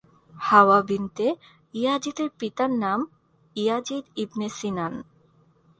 হাওয়া বিনতে ইয়াজিদের পিতার নাম ইয়াজিদ ইবনে সিনান।